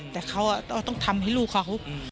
แต่เขาต้องทำให้ลูกเขา